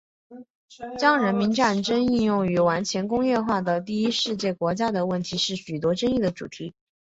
将人民战争应用于完全工业化的第一世界国家的问题是许多争论的主题。